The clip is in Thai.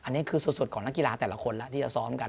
อันนี้คือสุดของนักกีฬาแต่ละคนแล้วที่จะซ้อมกัน